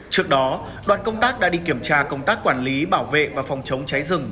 trước đó đoàn công tác đã đi kiểm tra công tác quản lý bảo vệ và phòng chống cháy rừng